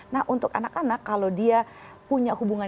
nah untuk anak anak kalau dia punya hubungan